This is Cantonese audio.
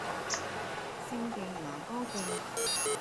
聖地牙哥徑